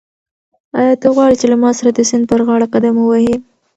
آیا ته غواړې چې له ما سره د سیند پر غاړه قدم ووهې؟